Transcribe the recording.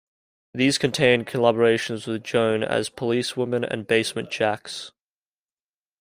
These contained collaborations with Joan As Police Woman and Basement Jaxx.